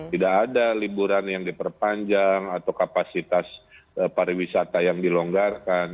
tidak ada liburan yang diperpanjang atau kapasitas pariwisata yang dilonggarkan